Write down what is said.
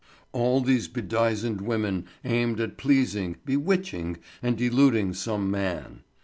All these bedizened women aimed at pleasing, bewitching, and deluding some man.